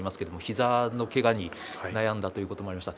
膝のけがに悩んだということもありました。